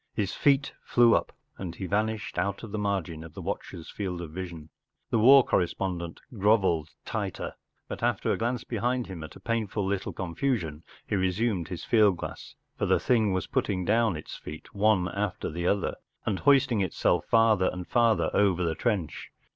His feet flew up, and he vanished out of the margin of the watchers field of vision. The war correspondent grovelled tighter, but after a glance behind him at a painful little con¬ fusion, he resumed his field glass, for the thing was putting down its feet one after the other, and hoisting itself farther and farther over the trench.